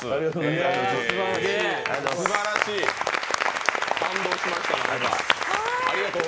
すばらしい、感動しました。